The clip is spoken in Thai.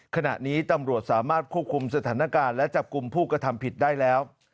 ขณะนี้ตำรวจสามารถควบคุมสถานการณ์และจับกลุ่มผู้กระทำผิดได้แล้ว